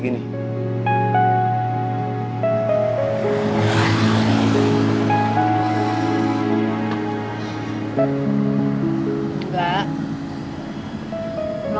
ini sahaja lima kali kauntuh